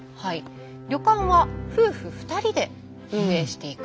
旅館は夫婦二人で運営していく。